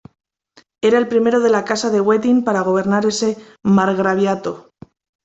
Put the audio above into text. Era el primero de la Casa de Wettin para gobernar ese margraviato.